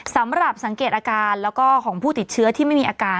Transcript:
สังเกตอาการแล้วก็ของผู้ติดเชื้อที่ไม่มีอาการ